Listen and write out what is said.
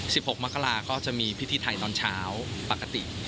หกมกราก็จะมีพิธีไทยตอนเช้าปกติ